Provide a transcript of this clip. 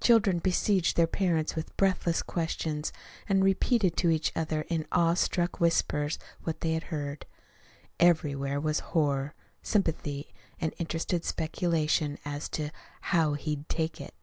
Children besieged their parents with breathless questions, and repeated to each other in awe struck whispers what they had heard. Everywhere was horror, sympathy, and interested speculation as to "how he'd take it."